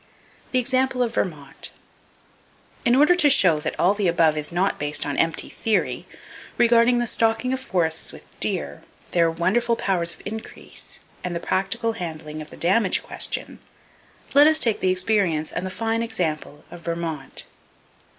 The Example Of Vermont. —In order to show that all the above is not based on empty theory,—regarding the stocking of forests with deer, their wonderful powers of increase, and the practical handling of the damage question,—let us take the experience and the fine example of Vermont.